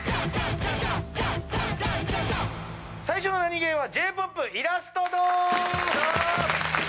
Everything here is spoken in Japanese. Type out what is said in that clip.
最初のナニゲーはＪ−ＰＯＰイラストドン！